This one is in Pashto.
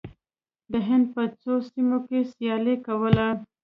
د هند په څو سیمو کې سیالي کوله.